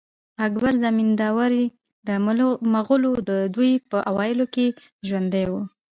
اکبر زمینداوری د مغلو د دوې په اوایلو کښي ژوندی وو.